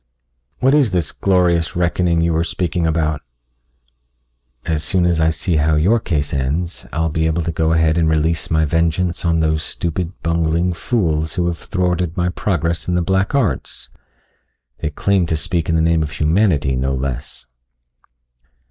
"What is this glorious reckoning you were speaking about?" "As soon as I see how your case ends, I'll be able to go ahead and release my vengeance on those stupid, bungling fools who have thwarted my progress in the black arts. They claim to speak in the name of humanity, no less!"